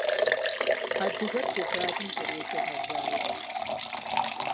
Адыгэр февралым зэреджэр мазаещ.